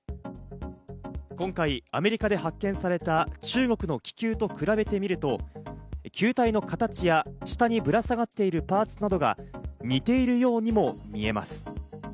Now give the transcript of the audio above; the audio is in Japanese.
今回アメリカで発見された中国の気球と比べてみると、球体の形や下にぶら下がっているパーツなどが似ているようにも見えます。